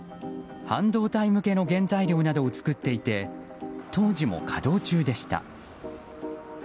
半導体向けの原材料などを作っていて当時も稼働中でした。